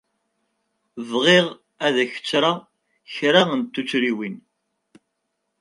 Bɣiɣ ad k-ttreɣ kra n tuttriwin.